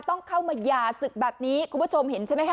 ต้องเข้ามาหย่าศึกแบบนี้คุณผู้ชมเห็นใช่ไหมคะ